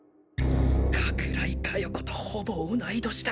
加倉井加代子とほぼ同い年だ。